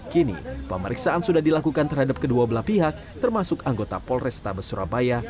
kini pemeriksaan sudah dilakukan terhadap kedua belah pihak termasuk anggota polrestabes surabaya